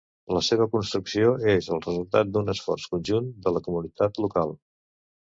La seva construcció és el resultat d'un esforç conjunt de la comunitat local.